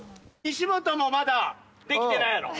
西本もまだできてないやろ。